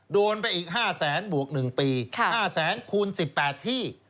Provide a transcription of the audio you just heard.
โดนไปอีก๕แสนบวก๑ปี๕แสนคูณ๑๘ที่